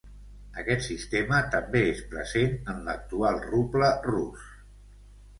Aquest sistema també és present en l'actual ruble rus.